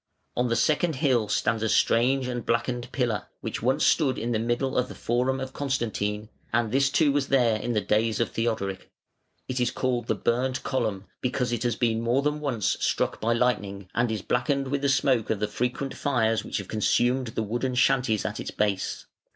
On the second hill stands a strange and blackened pillar, which once stood in the middle of the Forum of Constantine; and this too was there in the days of Theodoric. It is called the Burnt Column, because it has been more than once struck by lightning, and is blackened with the smoke of the frequent fires which have consumed the wooden shanties at its base.